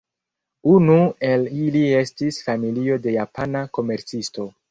Unu el ili estis familio de japana komercisto.